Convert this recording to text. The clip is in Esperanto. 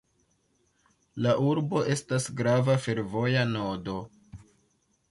La urbo estas grava fervoja nodo.